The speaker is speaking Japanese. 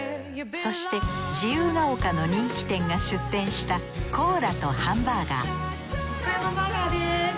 そして自由が丘の人気店が出店した西小山バーガーです。